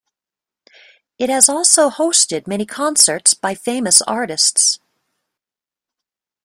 It has also hosted many concerts by famous artists.